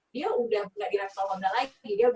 dia udah dipindahin ke lcr honda gitu